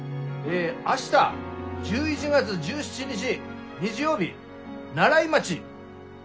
明日１１月１７日日曜日西風町。